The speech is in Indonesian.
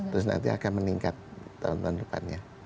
terus nanti akan meningkat tahun tahun depannya